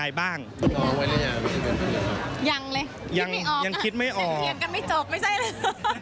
ยังไม่ออกอ่ะใช้เทียงกันไม่จบไม่ใช่เลย